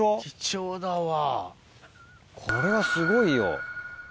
これはすごいよ。